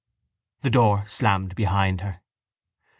The door slammed behind her.